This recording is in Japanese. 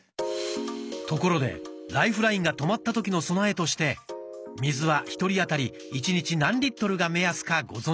ところでライフラインが止まった時の備えとして水は１人あたり１日何が目安かご存じですか？